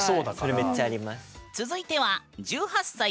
それめっちゃあります。